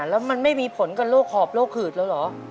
แล้วมันไม่มีผลกับโรคหอบโรคหืดแล้วเหรอ